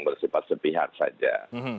bersifat sepihak saja